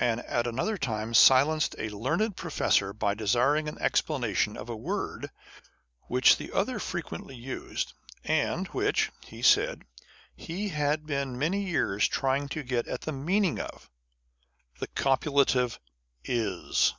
and, at another time, silemjed a learned professor by desiring an explanation of a word which the other * frequently used, and which, he said, he had been many years trying to get at the meaning of, â€" the copulative Is